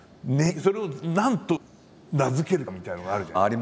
それを何と名付けるかみたいなのがあるじゃないですか。